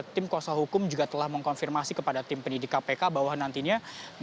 tim kuasa hukum juga telah mengkonfirmasi kepada tim pendidik kpk bahwa nantinya